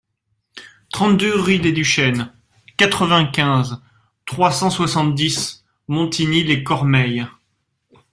trente-deux rue des Duchesnes, quatre-vingt-quinze, trois cent soixante-dix, Montigny-lès-Cormeilles